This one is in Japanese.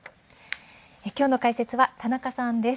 今日の解説は田中さんです。